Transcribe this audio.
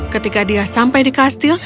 ketika dia sampai di kastil